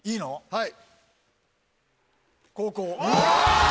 はい。